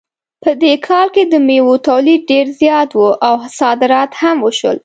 په دې کال کې د میوو تولید ډېر زیات و او صادرات هم وشول